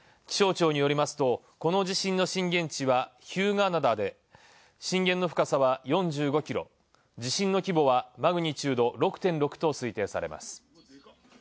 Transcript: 気象庁によりますと、この地震の震源地は日向灘で震源の深さは４５キロ、地震の規模はマグニチュード６．６と推定されます。